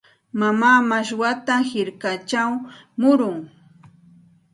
Mamaa mashwata hirkachaw murun.